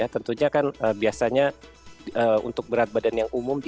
tentunya kan biasanya untuk berat badan yang umum